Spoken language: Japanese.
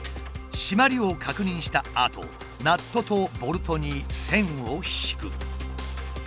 締まりを確認したあとナットとボルトに線を引く。